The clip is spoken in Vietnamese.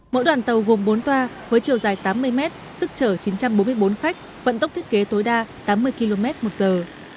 mỗi đoàn tàu gồm bốn toa với chiều dài tám mươi mét sức chở chín trăm bốn mươi bốn khách vận tốc thiết kế tối đa tám mươi km một giờ